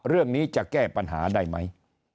เรื่องนี้จะแก้ปัญหาได้ไหม